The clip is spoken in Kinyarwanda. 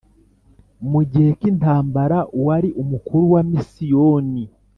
mu gihe k intambara Uwari umukuru wa misiyoni